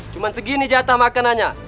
cuma segini jatah makanannya